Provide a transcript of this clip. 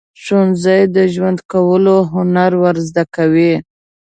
ښوونځی د ژوند کولو هنر ورزده کوي.